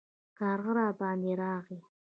کارغه راباندې راغی